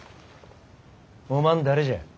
おまん誰じゃ？